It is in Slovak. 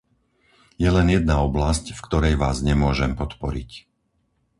Je len jedna oblasť, v ktorej vás nemôžem podporiť.